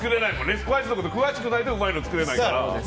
スパイス詳しくないとうまいのは作れないからね。